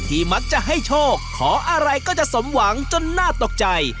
มักจะให้โชคขออะไรก็จะสมหวังจนน่าตกใจ